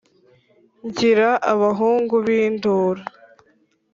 ngira abahungu b’indura,